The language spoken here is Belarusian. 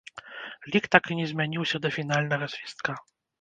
Лік так і не змяніўся да фінальнага свістка.